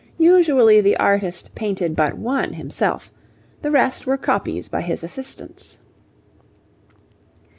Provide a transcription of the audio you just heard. Usually the artist painted but one himself; the rest were copies by his assistants.